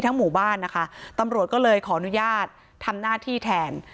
หมู่บ้านนะคะตำรวจก็เลยขออนุญาตทำหน้าที่แทน